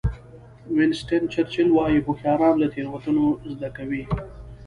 وینسټن چرچل وایي هوښیاران له تېروتنو زده کوي.